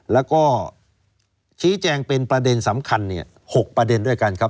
แล้วก็ชี้แจงเป็นประเด็นสำคัญ๖ประเด็นด้วยกันครับ